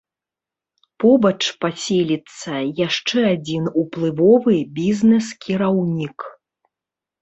Побач паселіцца яшчэ адзін уплывовы бізнэс-кіраўнік.